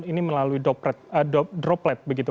ini melalui droplet begitu